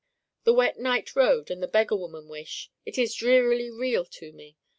The wet night road and the beggar woman wish: it is drearily real to me.